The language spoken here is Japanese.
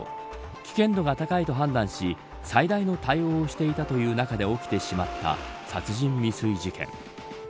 危険度が高いと判断し最大の対応をしていたという中で起きてしまった殺人未遂事件。